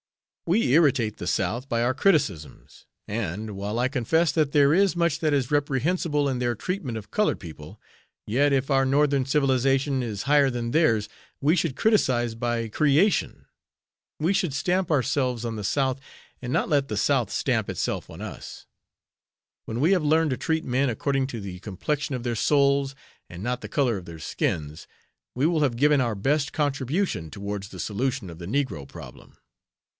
We irritate the South by our criticisms, and, while I confess that there is much that is reprehensible in their treatment of colored people, yet if our Northern civilization is higher than theirs we should 'criticise by creation.' We should stamp ourselves on the South, and not let the South stamp itself on us. When we have learned to treat men according to the complexion of their souls, and not the color of their skins, we will have given our best contribution towards the solution of the negro problem."